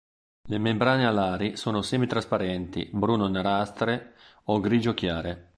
Le membrane alari sono semi-trasparenti, bruno-nerastre o grigio chiare.